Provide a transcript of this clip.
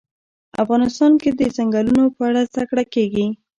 افغانستان کې د چنګلونه په اړه زده کړه کېږي.